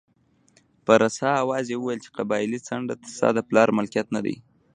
په رسا اواز یې وویل چې قبایلي څنډه ستا د پلار ملکیت نه دی.